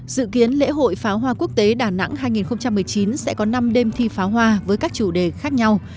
dự kiến lễ hội pháo hoa quốc tế đà nẵng hai nghìn một mươi chín sẽ có năm đêm thi pháo hoa với các chủ đề khác nhau